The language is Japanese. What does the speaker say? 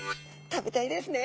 食べたいですね。